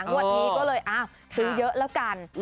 งวดนี้ก็เลยซื้อเยอะแล้วกัน